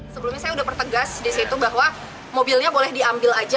sebelumnya saya sudah pertegas bahwa mobilnya boleh diambil saja